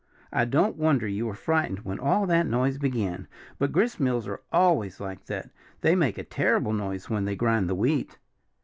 I don't wonder you were frightened when all that noise began. But gristmills are always like that. They make a terrible noise when they grind the wheat."